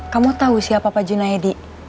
kamu tahu siapa pak junaidi